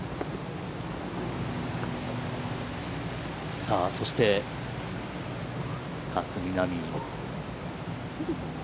さあ、そして、勝みなみ。